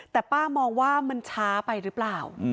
แต่ป้ามองว่ามันช้าไปหรือเปล่า